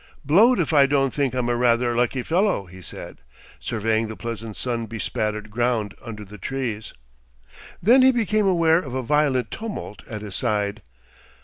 "Blowed if I don't think I'm a rather lucky fellow!" he said, surveying the pleasant sun bespattered ground under the trees. Then he became aware of a violent tumult at his side.